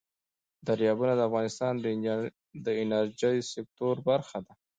دریابونه د افغانستان د انرژۍ سکتور برخه ده.